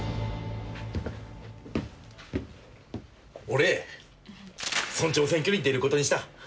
俺村長選挙に出ることにした。